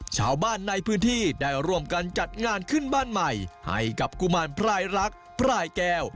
ชาวบ้านในพื้นที่ได้ร่วมกันจัดงานขึ้นบ้านใหม่ให้กับกุมารพรายรักพลายแก้ว